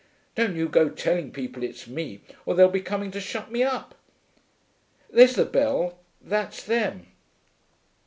Don't you go telling people it's me, or they'll be coming to shut me up. There's the bell; that's them.'